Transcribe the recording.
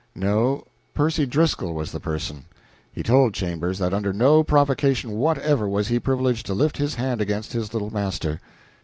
No, Percy Driscoll was the person. He told Chambers that under no provocation whatever was he privileged to lift his hand against his little master.